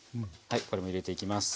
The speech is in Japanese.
これも入れていきます。